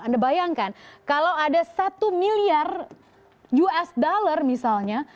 anda bayangkan kalau ada satu miliar usd misalnya